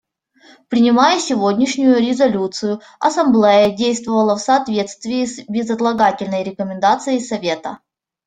Принимая сегодняшнюю резолюцию, Ассамблея действовала в соответствии с безотлагательной рекомендацией Совета.